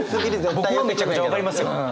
僕はめちゃくちゃ分かりますよ。